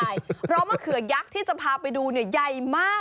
เพราะว่ามะเขือยักษ์ที่จะพาไปดูเนี่ยใหญ่มาก